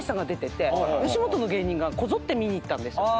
吉本の芸人がこぞって見に行ったんですよ。